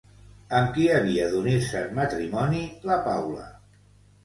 Amb qui havia d'unir-se en matrimoni la Paula?